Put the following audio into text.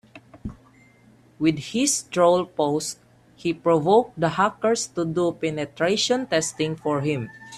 With his troll post he provoked the hackers to do penetration testing for him.